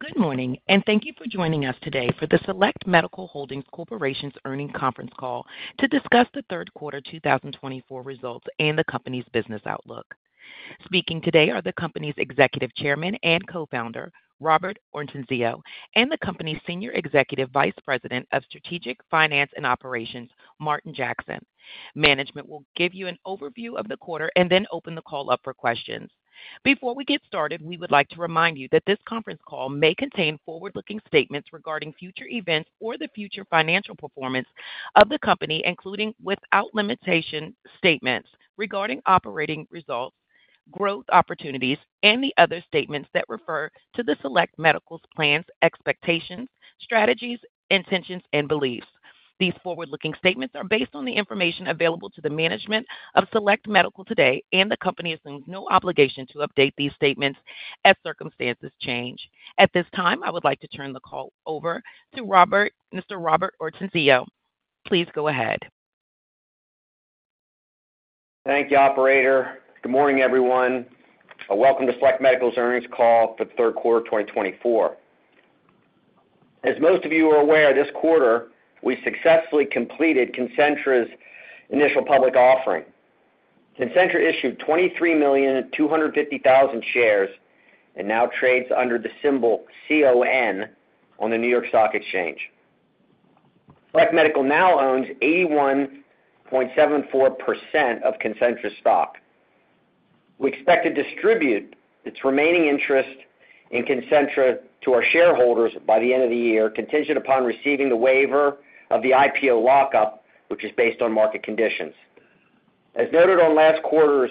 Good morning, and thank you for joining us today for the Select Medical Holdings Corporation's Earnings Conference Call to discuss the third quarter 2024 results and the company's business outlook. Speaking today are the company's Executive Chairman and Co-Founder, Robert Ortenzio, and the company's Senior Executive Vice President of Strategic Finance and Operations, Martin Jackson. Management will give you an overview of the quarter and then open the call up for questions. Before we get started, we would like to remind you that this conference call may contain forward-looking statements regarding future events or the future financial performance of the company, including without limitation statements regarding operating results, growth opportunities, and the other statements that refer to Select Medical's plans, expectations, strategies, intentions, and beliefs. These forward-looking statements are based on the information available to the management of Select Medical today, and the company assumes no obligation to update these statements as circumstances change. At this time, I would like to turn the call over to Mr. Robert Ortenzio. Please go ahead. Thank you, Operator. Good morning, everyone. Welcome to Select Medical's Earnings Call for the third quarter of 2024. As most of you are aware, this quarter we successfully completed Concentra's initial public offering. Concentra issued 23,250,000 shares and now trades under the symbol CON on the New York Stock Exchange. Select Medical now owns 81.74% of Concentra's stock. We expect to distribute its remaining interest in Concentra to our shareholders by the end of the year, contingent upon receiving the waiver of the IPO lockup, which is based on market conditions. As noted on last quarter's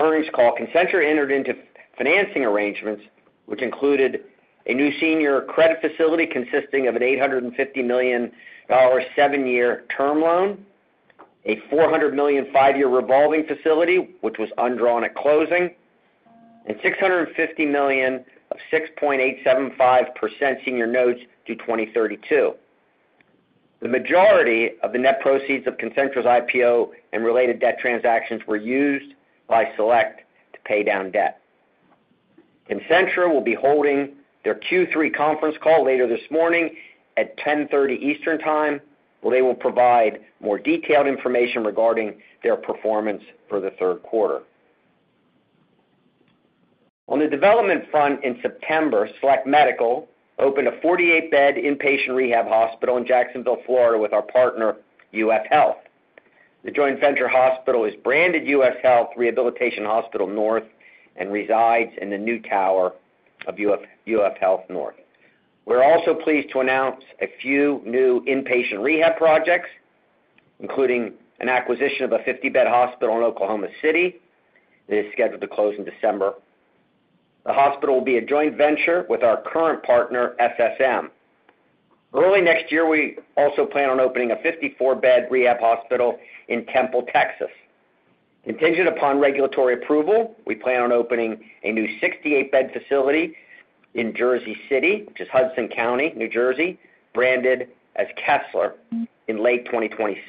earnings call, Concentra entered into financing arrangements, which included a new senior credit facility consisting of an $850 million seven-year term loan, a $400 million five-year revolving facility, which was undrawn at closing, and $650 million of 6.875% senior notes to 2032. The majority of the net proceeds of Concentra's IPO and related debt transactions were used by Select to pay down debt. Concentra will be holding their Q3 conference call later this morning at 10:30 A.M. Eastern Time, where they will provide more detailed information regarding their performance for the third quarter. On the development front, in September, Select Medical opened a 48-bed inpatient rehab hospital in Jacksonville, Florida, with our partner, UF Health. The joint venture hospital is branded UF Health Rehabilitation Hospital North and resides in the new tower of UF Health North. We're also pleased to announce a few new inpatient rehab projects, including an acquisition of a 50-bed hospital in Oklahoma City that is scheduled to close in December. The hospital will be a joint venture with our current partner, SSM. Early next year, we also plan on opening a 54-bed rehab hospital in Temple, Texas. Contingent upon regulatory approval, we plan on opening a new 68-bed facility in Jersey City, which is Hudson County, New Jersey, branded as Kessler in late 2026.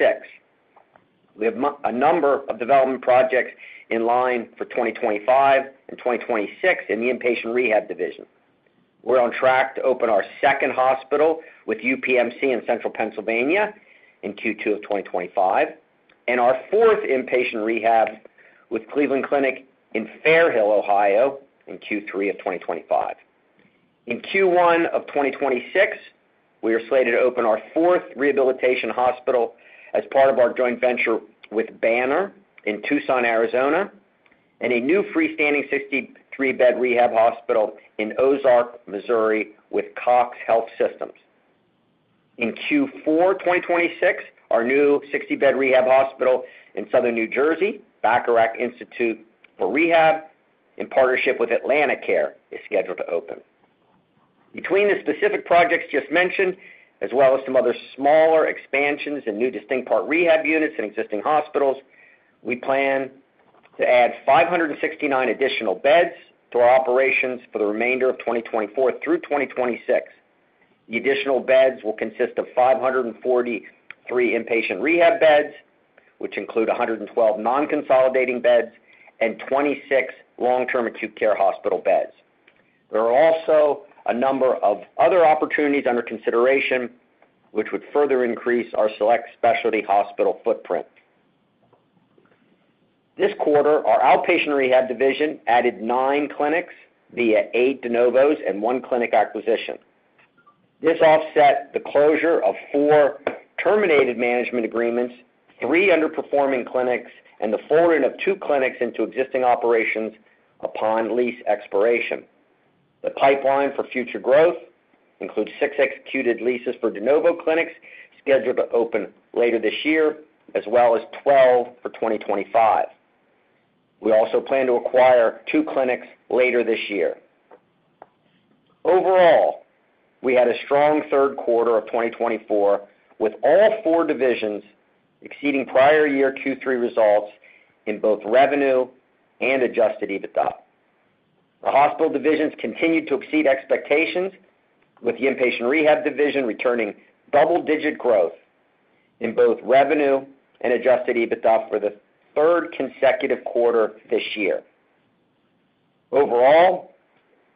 We have a number of development projects in line for 2025 and 2026 in the inpatient rehab division. We're on track to open our second hospital with UPMC in Central Pennsylvania in Q2 of 2025, and our fourth inpatient rehab with Cleveland Clinic in Fairhill, Ohio, in Q3 of 2025. In Q1 of 2026, we are slated to open our fourth rehabilitation hospital as part of our joint venture with Banner in Tucson, Arizona, and a new freestanding 63-bed rehab hospital in Ozark, Missouri, with CoxHealth. In Q4 2026, our new 60-bed rehab hospital in Southern New Jersey, Bacharach Institute for Rehab, in partnership with AtlantiCare, is scheduled to open. Between the specific projects just mentioned, as well as some other smaller expansions and new distinct part rehab units in existing hospitals, we plan to add 569 additional beds to our operations for the remainder of 2024 through 2026. The additional beds will consist of 543 inpatient rehab beds, which include 112 non-consolidating beds and 26 long-term acute care hospital beds. There are also a number of other opportunities under consideration, which would further increase our Select Specialty Hospital footprint. This quarter, our outpatient rehab division added nine clinics via eight de novos and one clinic acquisition. This offset the closure of four terminated management agreements, three underperforming clinics, and the forwarding of two clinics into existing operations upon lease expiration. The pipeline for future growth includes six executed leases for de novo clinics scheduled to open later this year, as well as 12 for 2025. We also plan to acquire two clinics later this year. Overall, we had a strong third quarter of 2024, with all four divisions exceeding prior year Q3 results in both revenue and adjusted EBITDA. The hospital divisions continued to exceed expectations, with the inpatient rehab division returning double-digit growth in both revenue and adjusted EBITDA for the third consecutive quarter this year. Overall,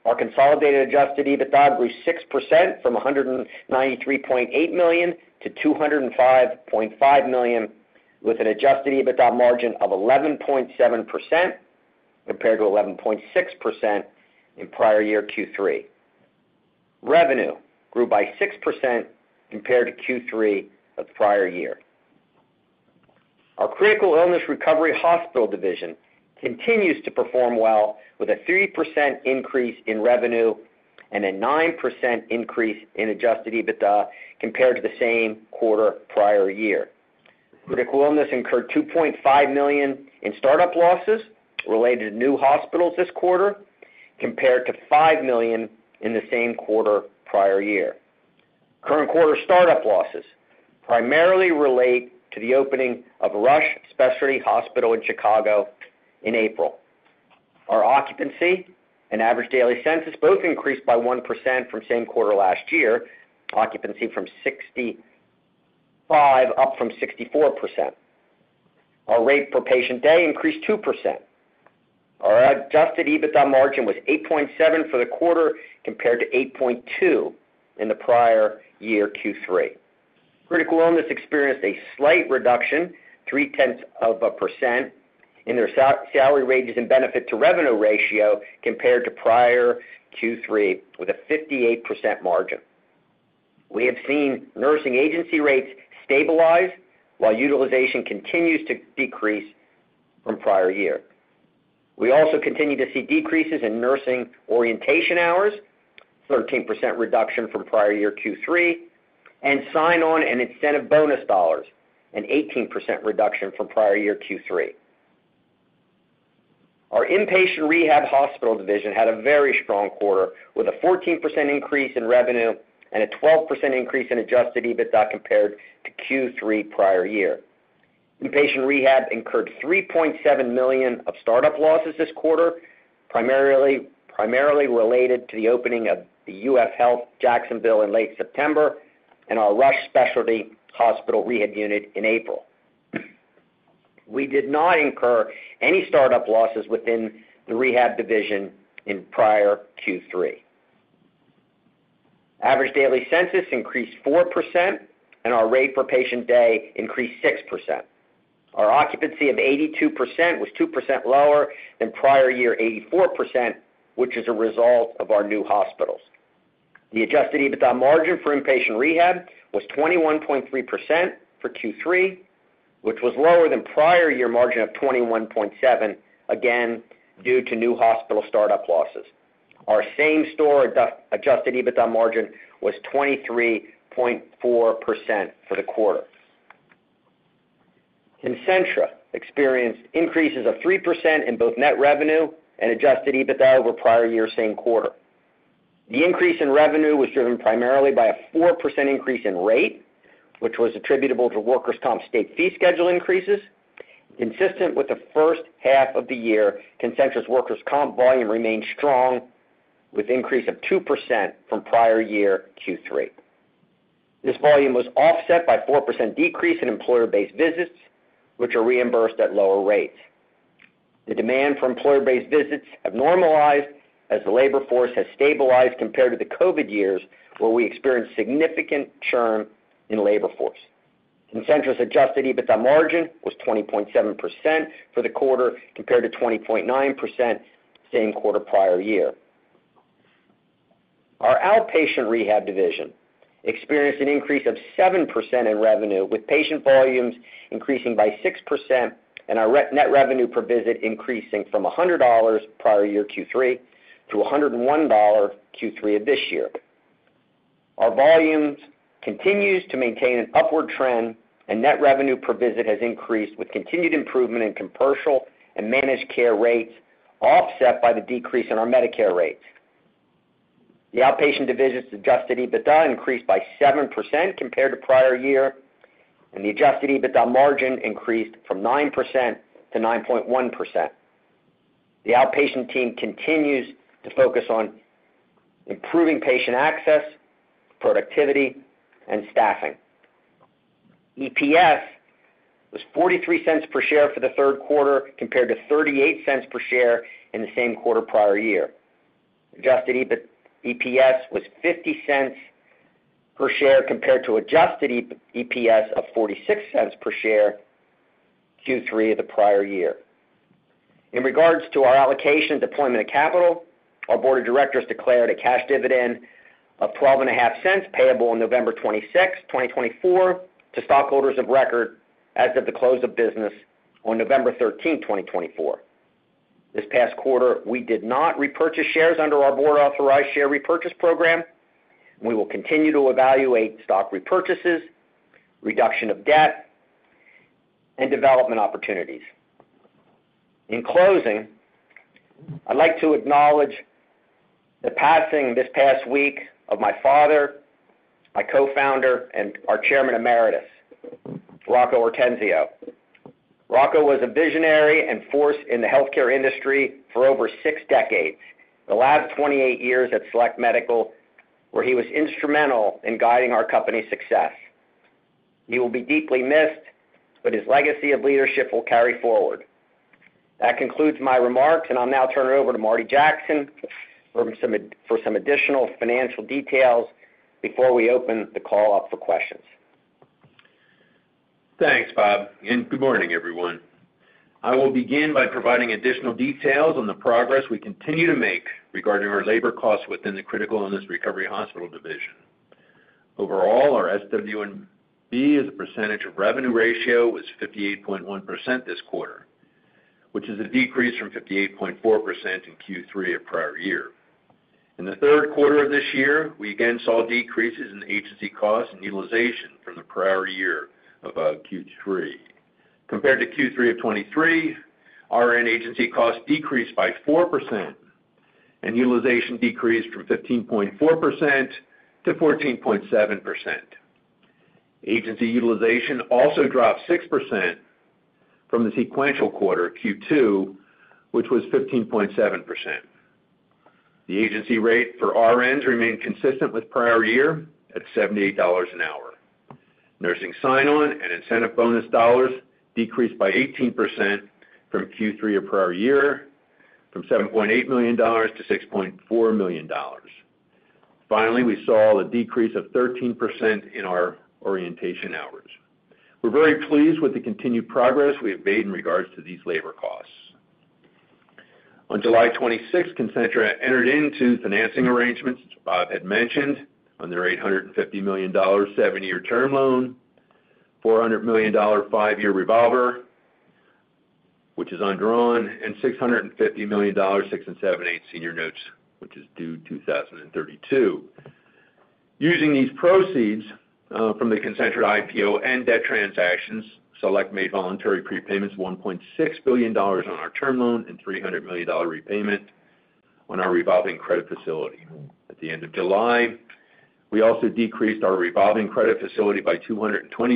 our consolidated adjusted EBITDA grew 6% from $193.8 million to $205.5 million, with an adjusted EBITDA margin of 11.7% compared to 11.6% in prior year Q3. Revenue grew by 6% compared to Q3 of the prior year. Our critical illness recovery hospital division continues to perform well, with a 3% increase in revenue and a 9% increase in adjusted EBITDA compared to the same quarter prior year. Critical illness incurred $2.5 million in startup losses related to new hospitals this quarter, compared to $5 million in the same quarter prior year. Current quarter startup losses primarily relate to the opening of Rush Specialty Hospital in Chicago in April. Our occupancy and average daily census both increased by 1% from same quarter last year, occupancy from 65% up from 64%. Our rate per patient day increased 2%. Our adjusted EBITDA margin was 8.7% for the quarter, compared to 8.2% in the prior year Q3. Critical illness experienced a slight reduction, 0.3%, in their salaries, wages, and benefits to revenue ratio compared to prior Q3, with a 58% margin. We have seen nursing agency rates stabilize while utilization continues to decrease from prior year. We also continue to see decreases in nursing orientation hours, 13% reduction from prior year Q3, and sign-on and incentive bonus dollars, an 18% reduction from prior year Q3. Our inpatient rehab hospital division had a very strong quarter, with a 14% increase in revenue and a 12% increase in adjusted EBITDA compared to Q3 prior year. Inpatient rehab incurred $3.7 million of startup losses this quarter, primarily related to the opening of the UF Health Jacksonville in late September and our Rush Specialty Hospital rehab unit in April. We did not incur any startup losses within the rehab division in prior Q3. Average daily census increased 4%, and our rate per patient day increased 6%. Our occupancy of 82% was 2% lower than prior year 84%, which is a result of our new hospitals. The adjusted EBITDA margin for inpatient rehab was 21.3% for Q3, which was lower than prior year margin of 21.7%, again due to new hospital startup losses. Our same store adjusted EBITDA margin was 23.4% for the quarter. Concentra experienced increases of 3% in both net revenue and adjusted EBITDA over prior year same quarter. The increase in revenue was driven primarily by a 4% increase in rate, which was attributable to workers' comp state fee schedule increases. Consistent with the first half of the year, Concentra's workers' comp volume remained strong, with increase of 2% from prior year Q3. This volume was offset by a 4% decrease in employer-based visits, which are reimbursed at lower rates. The demand for employer-based visits has normalized as the labor force has stabilized compared to the COVID years, where we experienced significant churn in labor force. Concentra's adjusted EBITDA margin was 20.7% for the quarter, compared to 20.9% same quarter prior year. Our outpatient rehab division experienced an increase of 7% in revenue, with patient volumes increasing by 6% and our net revenue per visit increasing from $100 prior year Q3 to $101 Q3 of this year. Our volumes continue to maintain an upward trend, and net revenue per visit has increased with continued improvement in commercial and managed care rates, offset by the decrease in our Medicare rates. The outpatient division's adjusted EBITDA increased by 7% compared to prior year, and the adjusted EBITDA margin increased from 9% to 9.1%. The outpatient team continues to focus on improving patient access, productivity, and staffing. EPS was $0.43 per share for the third quarter, compared to $0.38 per share in the same quarter prior year. Adjusted EPS was $0.50 per share compared to adjusted EPS of $0.46 per share Q3 of the prior year. In regards to our allocation and deployment of capital, our board of directors declared a cash dividend of $0.125 payable on November 26, 2024, to stockholders of record as of the close of business on November 13, 2024. This past quarter, we did not repurchase shares under our board-authorized share repurchase program, and we will continue to evaluate stock repurchases, reduction of debt, and development opportunities. In closing, I'd like to acknowledge the passing this past week of my father, my co-founder, and our chairman emeritus, Rocco Ortenzio. Rocco was a visionary and force in the healthcare industry for over six decades, the last 28 years at Select Medical, where he was instrumental in guiding our company's success. He will be deeply missed, but his legacy of leadership will carry forward. That concludes my remarks, and I'll now turn it over to Marty Jackson for some additional financial details before we open the call up for questions. Thanks, Bob, and good morning, everyone. I will begin by providing additional details on the progress we continue to make regarding our labor costs within the critical illness recovery hospital division. Overall, our SWMB as a percentage of revenue ratio was 58.1% this quarter, which is a decrease from 58.4% in Q3 of prior year. In the third quarter of this year, we again saw decreases in agency costs and utilization from the prior year of Q3. Compared to Q3 of 2023, our agency costs decreased by 4%, and utilization decreased from 15.4% to 14.7%. Agency utilization also dropped 6% from the sequential quarter Q2, which was 15.7%. The agency rate for RNs remained consistent with prior year at $78 an hour. Nursing sign-on and incentive bonus dollars decreased by 18% from Q3 of prior year, from $7.8 million to $6.4 million. Finally, we saw a decrease of 13% in our orientation hours. We're very pleased with the continued progress we have made in regards to these labor costs. On July 26, Concentra entered into financing arrangements Bob had mentioned under $850 million, seven-year term loan, $400 million, five-year revolver, which is undrawn, and $650 million, six and seven-eighths senior notes, which is due 2032. Using these proceeds from the Concentra IPO and debt transactions, Select made voluntary prepayments of $1.6 billion on our term loan and $300 million repayment on our revolving credit facility. At the end of July, we also decreased our revolving credit facility by $220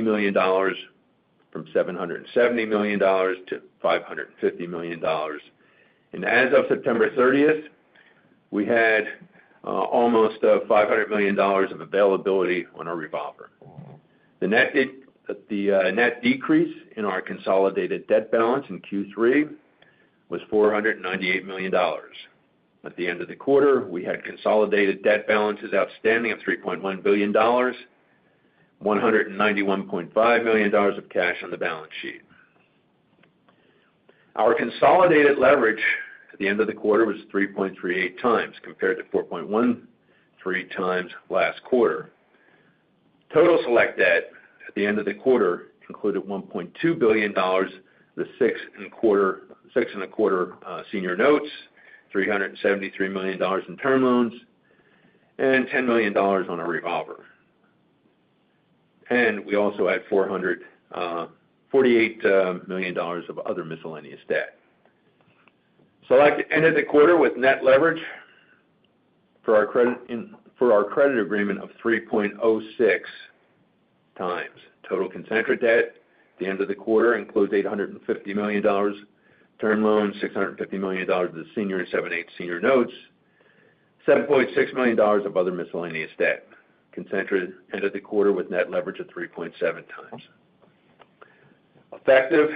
million, from $770 million to $550 million. And as of September 30th, we had almost $500 million of availability on our revolver. The net decrease in our consolidated debt balance in Q3 was $498 million. At the end of the quarter, we had consolidated debt balances outstanding of $3.1 billion, $191.5 million of cash on the balance sheet. Our consolidated leverage at the end of the quarter was 3.38 times compared to 4.13 times last quarter. Total Select debt at the end of the quarter included $1.2 billion, the six and a quarter senior notes, $373 million in term loans, and $10 million on a revolver. And we also had $448 million of other miscellaneous debt. Select ended the quarter with net leverage for our credit agreement of 3.06 times. Total Concentra debt at the end of the quarter includes $850 million term loans, $650 million of the six and seven-eighths senior notes, $7.6 million of other miscellaneous debt. Concentra ended the quarter with net leverage of 3.7 times. Effective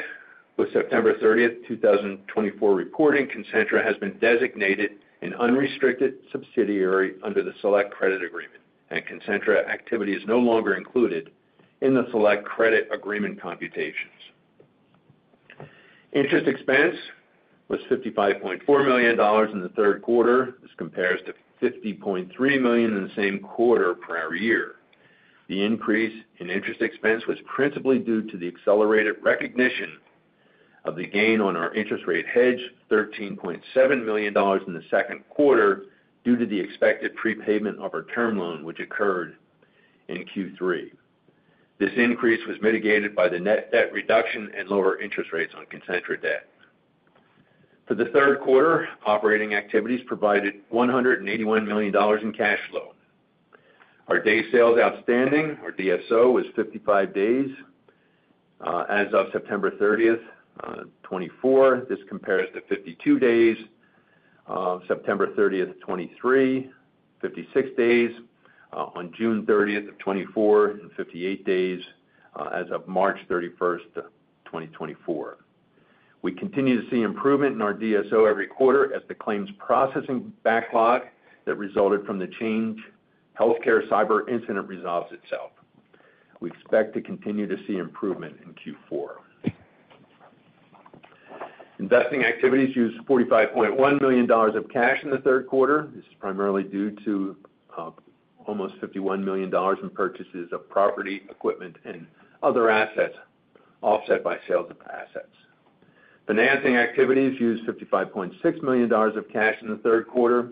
with September 30th, 2024, reporting, Concentra has been designated an unrestricted subsidiary under the Select credit agreement, and Concentra activity is no longer included in the Select credit agreement computations. Interest expense was $55.4 million in the third quarter. This compares to $50.3 million in the same quarter prior year. The increase in interest expense was principally due to the accelerated recognition of the gain on our interest rate hedge, $13.7 million in the second quarter, due to the expected prepayment of our term loan, which occurred in Q3. This increase was mitigated by the net debt reduction and lower interest rates on Concentra debt. For the third quarter, operating activities provided $181 million in cash flow. Our day sales outstanding, our DSO, was 55 days as of September 30th, 2024. This compares to 52 days September 30th, 2023, 56 days on June 30th, 2024, and 58 days as of March 31st, 2024. We continue to see improvement in our DSO every quarter as the claims processing backlog that resulted from the Change Healthcare cyber incident resolves itself. We expect to continue to see improvement in Q4. Investing activities used $45.1 million of cash in the third quarter. This is primarily due to almost $51 million in purchases of property, equipment, and other assets, offset by sales of assets. Financing activities used $55.6 million of cash in the third quarter.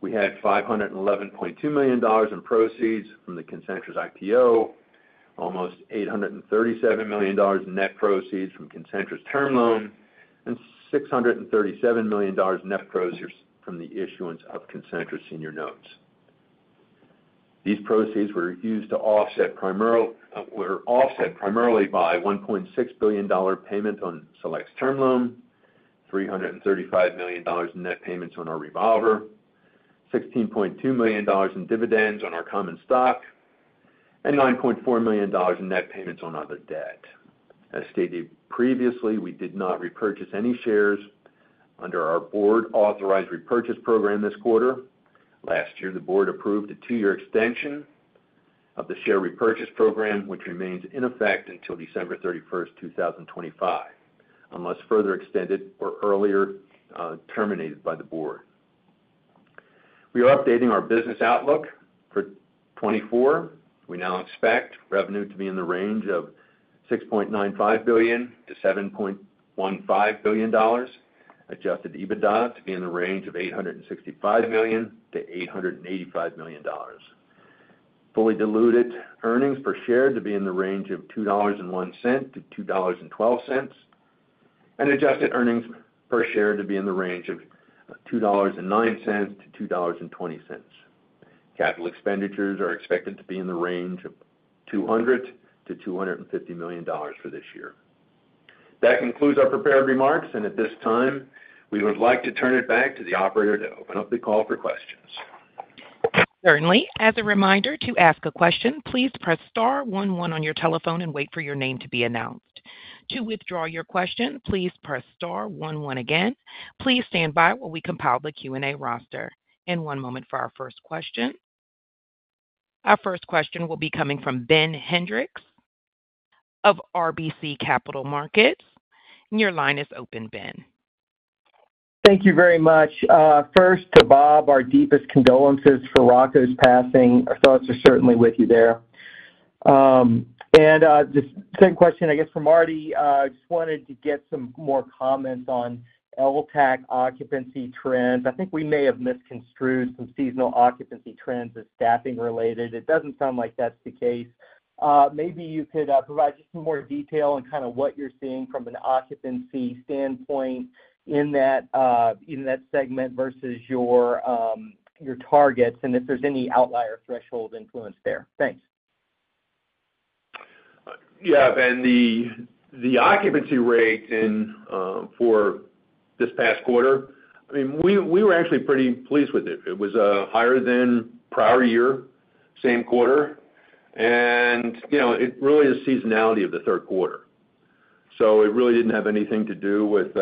We had $511.2 million in proceeds from the Concentra's IPO, almost $837 million in net proceeds from Concentra's term loan, and $637 million net proceeds from the issuance of Concentra senior notes. These proceeds were used to offset, primarily, the $1.6 billion payment on Select's term loan, $335 million in net payments on our revolver, $16.2 million in dividends on our common stock, and $9.4 million in net payments on other debt. As stated previously, we did not repurchase any shares under our board-authorized repurchase program this quarter. Last year, the board approved a two-year extension of the share repurchase program, which remains in effect until December 31, 2025, unless further extended or earlier terminated by the board. We are updating our business outlook for '24. We now expect revenue to be in the range of $6.95 billion-$7.15 billion, adjusted EBITDA to be in the range of $865 million-$885 million. Fully diluted earnings per share to be in the range of $2.01-$2.12, and adjusted earnings per share to be in the range of $2.09-$2.20. Capital expenditures are expected to be in the range of $200-$250 million for this year. That concludes our prepared remarks, and at this time, we would like to turn it back to the operator to open up the call for questions. Certainly. As a reminder, to ask a question, please press star 11 on your telephone and wait for your name to be announced. To withdraw your question, please press star 11 again. Please stand by while we compile the Q&A roster. And one moment for our first question. Our first question will be coming from Ben Hendrix of RBC Capital Markets. Your line is open, Ben. Thank you very much. First, to Bob, our deepest condolences for Rocco's passing. Our thoughts are certainly with you there. And the same question, I guess, for Marty. I just wanted to get some more comments on LTAC occupancy trends. I think we may have misconstrued some seasonal occupancy trends as staffing-related. It doesn't sound like that's the case. Maybe you could provide just some more detail on kind of what you're seeing from an occupancy standpoint in that segment versus your targets and if there's any outlier threshold influence there. Thanks. Yeah, Ben, the occupancy rate for this past quarter, I mean, we were actually pretty pleased with it. It was higher than prior year, same quarter, and it really is seasonality of the third quarter, so it really didn't have anything to do with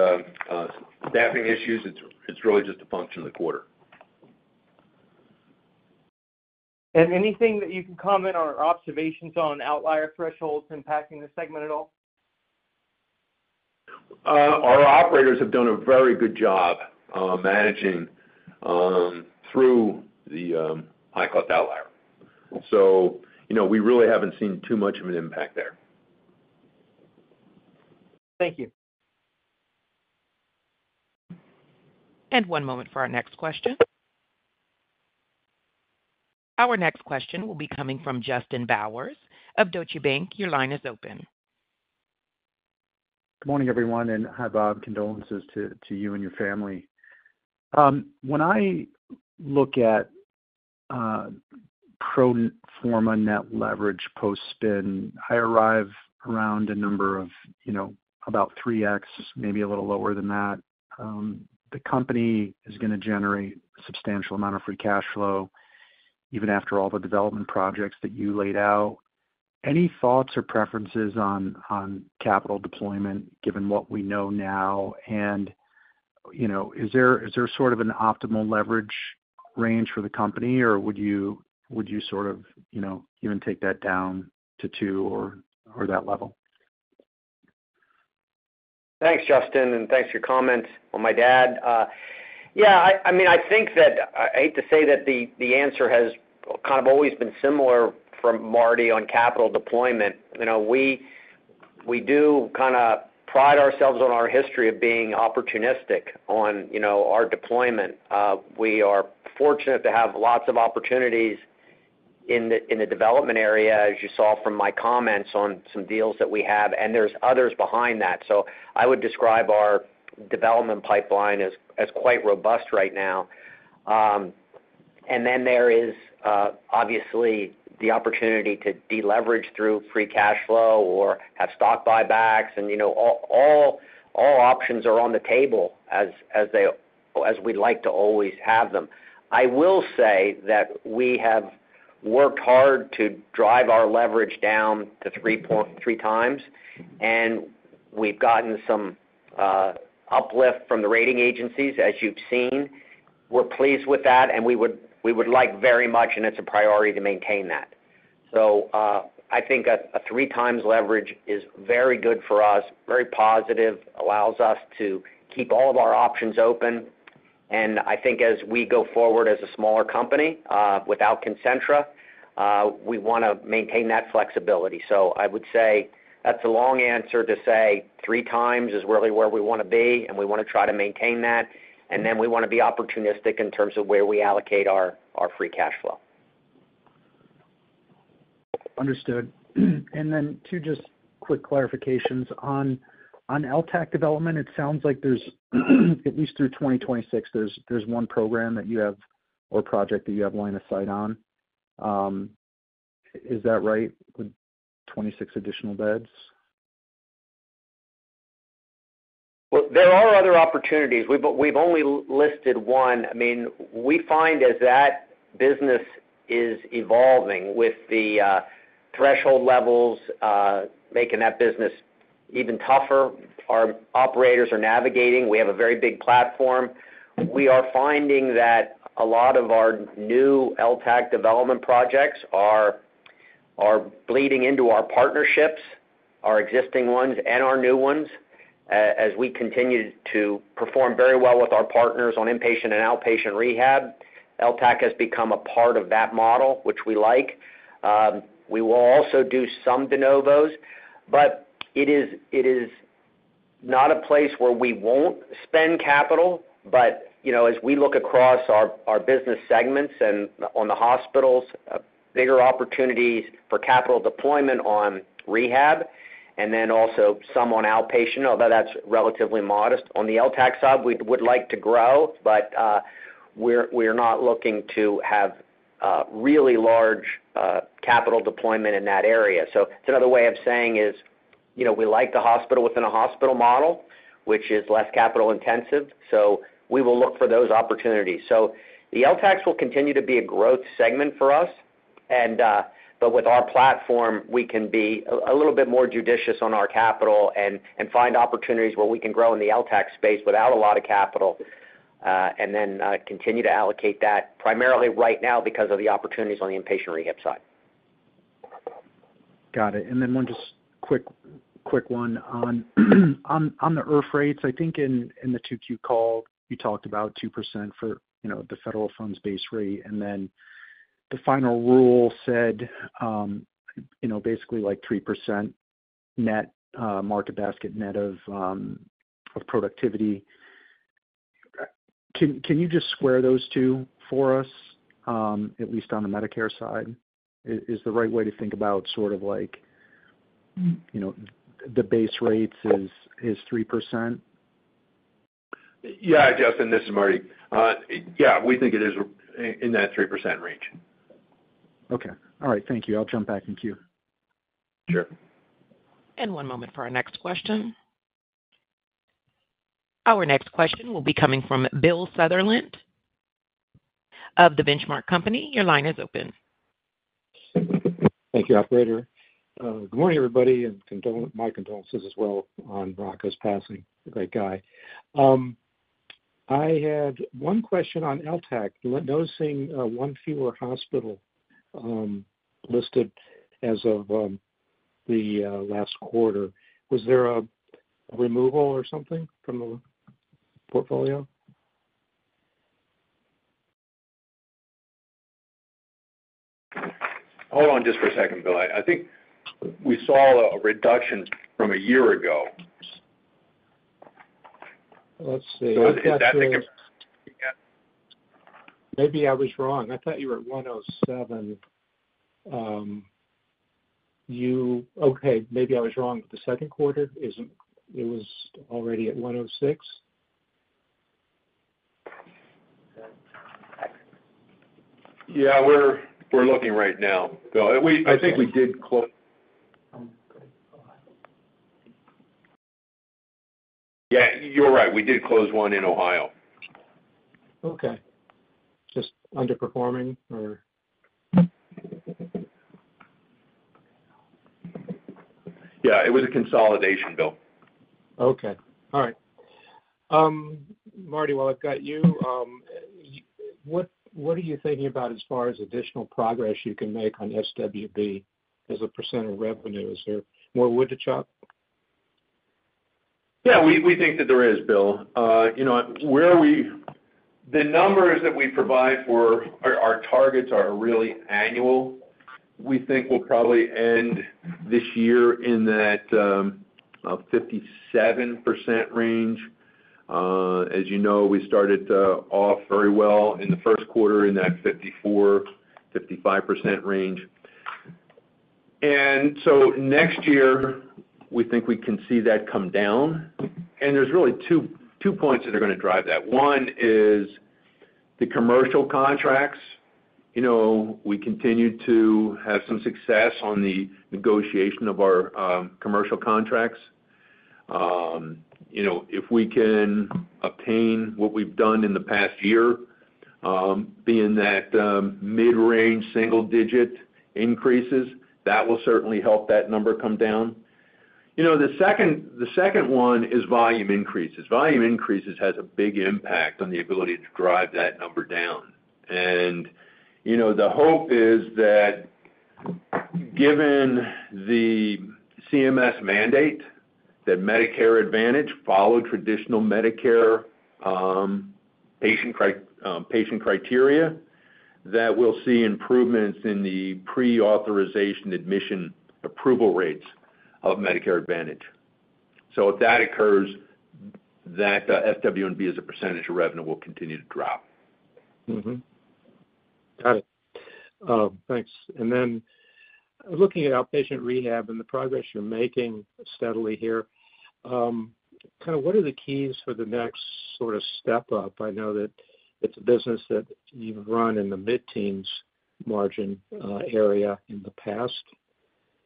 staffing issues. It's really just a function of the quarter. Anything that you can comment on our observations on outlier thresholds impacting the segment at all? Our operators have done a very good job managing through the high-cost outlier. So we really haven't seen too much of an impact there. Thank you. And one moment for our next question. Our next question will be coming from Justin Bowers of Deutsche Bank. Your line is open. Good morning, everyone. And hi, Bob. Condolences to you and your family. When I look at pro forma net leverage post-spin, I arrive around a number of about 3x, maybe a little lower than that. The company is going to generate a substantial amount of free cash flow even after all the development projects that you laid out. Any thoughts or preferences on capital deployment given what we know now? And is there sort of an optimal leverage range for the company, or would you sort of even take that down to two or that level? Thanks, Justin, and thanks for your comment on my dad. Yeah, I mean, I think that I hate to say that the answer has kind of always been similar from Marty on capital deployment. We do kind of pride ourselves on our history of being opportunistic on our deployment. We are fortunate to have lots of opportunities in the development area, as you saw from my comments on some deals that we have, and there's others behind that. So I would describe our development pipeline as quite robust right now. And then there is, obviously, the opportunity to deleverage through free cash flow or have stock buybacks. And all options are on the table as we'd like to always have them. I will say that we have worked hard to drive our leverage down to three times, and we've gotten some uplift from the rating agencies, as you've seen. We're pleased with that, and we would like very much, and it's a priority to maintain that. So I think a three-times leverage is very good for us, very positive, allows us to keep all of our options open. And I think as we go forward as a smaller company without Concentra, we want to maintain that flexibility. So I would say that's a long answer to say three times is really where we want to be, and we want to try to maintain that. And then we want to be opportunistic in terms of where we allocate our free cash flow. Understood. And then two just quick clarifications on LTAC development. It sounds like there's, at least through 2026, there's one program that you have or project that you have line of sight on. Is that right? 26 additional beds? There are other opportunities. We've only listed one. I mean, we find as that business is evolving with the threshold levels making that business even tougher, our operators are navigating. We have a very big platform. We are finding that a lot of our new LTAC development projects are bleeding into our partnerships, our existing ones and our new ones. As we continue to perform very well with our partners on inpatient and outpatient rehab, LTAC has become a part of that model, which we like. We will also do some de novos. But it is not a place where we won't spend capital. But as we look across our business segments and on the hospitals, bigger opportunities for capital deployment on rehab, and then also some on outpatient, although that's relatively modest. On the LTAC side, we would like to grow, but we're not looking to have really large capital deployment in that area. So it's another way of saying is we like the hospital within a hospital model, which is less capital intensive. So we will look for those opportunities. So the LTACs will continue to be a growth segment for us. But with our platform, we can be a little bit more judicious on our capital and find opportunities where we can grow in the LTAC space without a lot of capital and then continue to allocate that primarily right now because of the opportunities on the inpatient rehab side. Got it. And then one just quick one on the IRF rates. I think in the 2Q call, you talked about 2% for the federal funds-based rate. And then the final rule said basically like 3% net market basket net of productivity. Can you just square those two for us, at least on the Medicare side? Is the right way to think about sort of like the base rates is 3%? Yeah, Justin, this is Marty. Yeah, we think it is in that 3% range. Okay. All right. Thank you. I'll jump back in queue. Sure. One moment for our next question. Our next question will be coming from Bill Sutherland of The Benchmark Company. Your line is open. Thank you, operator. Good morning, everybody, and my condolences as well on Rocco's passing. Great guy. I had one question on LTAC, noticing one fewer hospital listed as of the last quarter. Was there a removal or something from the portfolio? Hold on just for a second, Bill. I think we saw a reduction from a year ago. Let's see. Maybe I was wrong. I thought you were at 107. Okay, maybe I was wrong. The second quarter, it was already at 106. Yeah, we're looking right now. I think we did close. Yeah, you're right. We did close one in Ohio. Okay. Just underperforming or? Yeah, it was a consolidation, Bill. Okay. All right. Marty, while I've got you, what are you thinking about as far as additional progress you can make on SWMB as a % of revenue? Is there more wood to chop? Yeah, we think that there is, Bill. The numbers that we provide for our targets are really annual. We think we'll probably end this year in that 57% range. As you know, we started off very well in the first quarter in that 54%-55% range. And so next year, we think we can see that come down. And there's really two points that are going to drive that. One is the commercial contracts. We continue to have some success on the negotiation of our commercial contracts. If we can obtain what we've done in the past year, being that mid-range single-digit increases, that will certainly help that number come down. The second one is volume increases. Volume increases has a big impact on the ability to drive that number down. The hope is that given the CMS mandate that Medicare Advantage followed traditional Medicare patient criteria, that we'll see improvements in the pre-authorization admission approval rates of Medicare Advantage. If that occurs, that SWMB as a percentage of revenue will continue to drop. Got it. Thanks. And then looking at outpatient rehab and the progress you're making steadily here, kind of what are the keys for the next sort of step up? I know that it's a business that you've run in the mid-teens margin area in the past.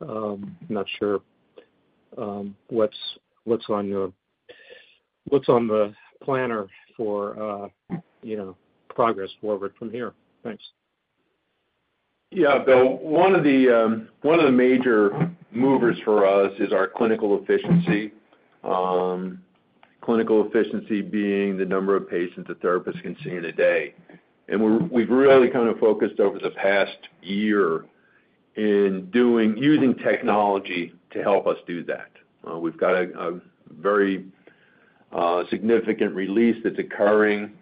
I'm not sure what's on the plan for progress forward from here. Thanks. Yeah, Bill. One of the major movers for us is our clinical efficiency. Clinical efficiency being the number of patients a therapist can see in a day. And we've really kind of focused over the past year in using technology to help us do that. We've got a very significant release that's occurring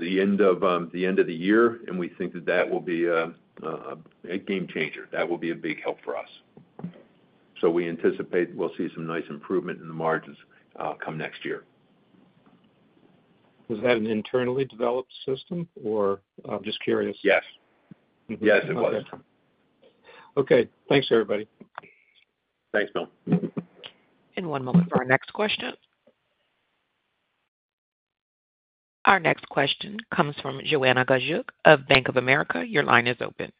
the end of the year, and we think that that will be a game changer. That will be a big help for us. So we anticipate we'll see some nice improvement in the margins come next year. Was that an internally developed system, or I'm just curious? Yes. Yes, it was. Okay. Thanks, everybody. Thanks, Bill. One moment for our next question. Our next question comes from Joanna Gajuk of Bank of America. Your line is open.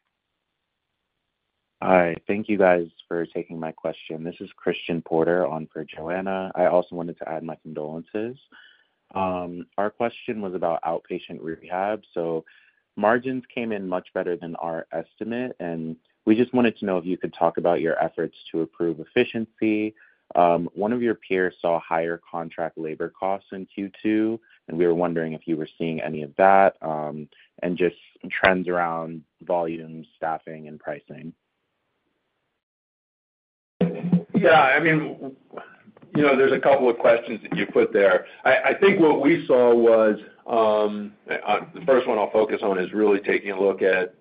Hi. Thank you, guys, for taking my question. This is Christian Porter on for Joanna. I also wanted to add my condolences. Our question was about outpatient rehab. So margins came in much better than our estimate, and we just wanted to know if you could talk about your efforts to improve efficiency. One of your peers saw higher contract labor costs in Q2, and we were wondering if you were seeing any of that and just trends around volume, staffing, and pricing. Yeah. I mean, there's a couple of questions that you put there. I think what we saw was the first one I'll focus on is really taking a look at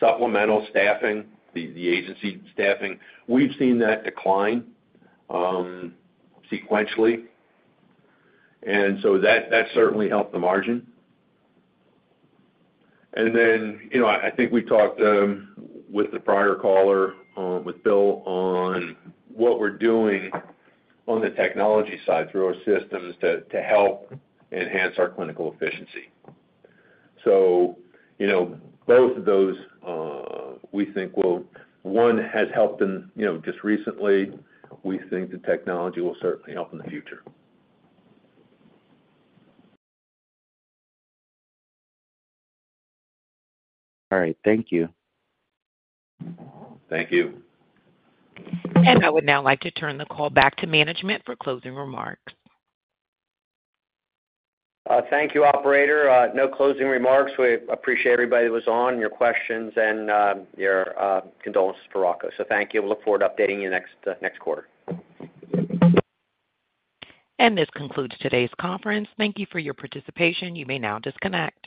supplemental staffing, the agency staffing. We've seen that decline sequentially. And so that certainly helped the margin. And then I think we talked with the prior caller, with Bill, on what we're doing on the technology side through our systems to help enhance our clinical efficiency. So both of those, we think, well, one has helped in just recently. We think the technology will certainly help in the future. All right. Thank you. Thank you. I would now like to turn the call back to management for closing remarks. Thank you, operator. No closing remarks. We appreciate everybody that was on, your questions, and your condolences for Rocco. So thank you. We'll look forward to updating you next quarter. This concludes today's conference. Thank you for your participation. You may now disconnect.